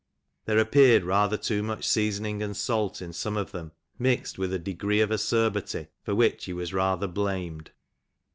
There appears rather too much seasoning and salt in some of them, mixed with a degree of acerbity for which he was rather blamed.